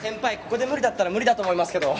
ここで無理だったら無理だと思いますけど。